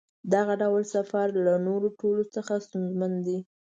دغه ډول سفر له نورو ټولو څخه ستونزمن دی.